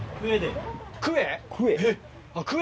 クエ？